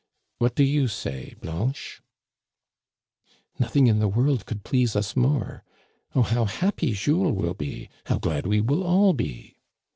What do you say, Blanche ?"" Nothing in the world could please us more. Oh, how happy Jules will be, how glad we will all be